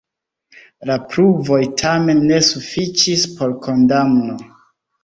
La pruvoj tamen ne sufiĉis por kondamno.